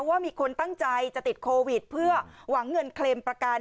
ว่ามีคนตั้งใจจะติดโควิดเพื่อหวังเงินเคลมประกัน